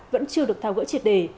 vẫn chưa được thao gỡ triệt để